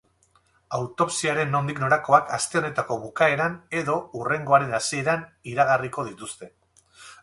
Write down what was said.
Autopsiaren nondik norakoak aste honetako bukeran edo hurrengoaren hasieran iragarriko dituzte.